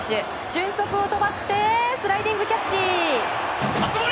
俊足を飛ばしてスライディングキャッチ！